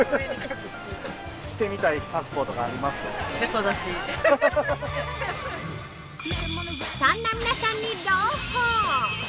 ◆そんな皆さんに朗報！